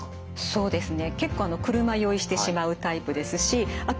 そうですよね。